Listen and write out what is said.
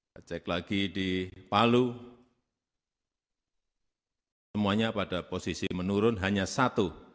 saya cek lagi di palu semuanya pada posisi menurun hanya satu